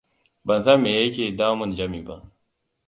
Ban san me ya ke damun Jami ba.